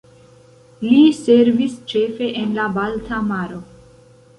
Li servis ĉefe en la Balta Maro.